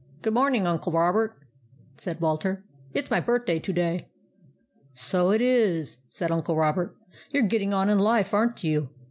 u Good morning, Uncle Robert," said Walter. " It 's my birthday to day." " So it is," said Uncle Robert. " You 're getting on in life, aren't you?